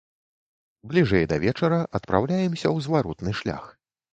Бліжэй да вечара адпраўляемся ў зваротны шлях.